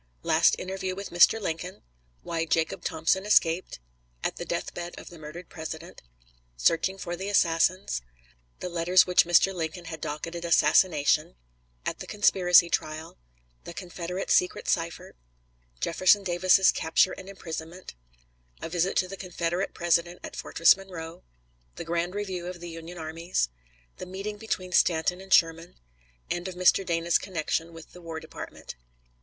Last interview with Mr. Lincoln Why Jacob Thompson escaped At the deathbed of the murdered President Searching for the assassins The letters which Mr. Lincoln had docketed "Assassination" At the conspiracy trial The Confederate secret cipher Jefferson Davis's capture and imprisonment A visit to the Confederate President at Fortress Monroe The grand review of the Union armies The meeting between Stanton and Sherman End of Mr. Dana's connection with the War Department.